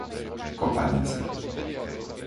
Kopanice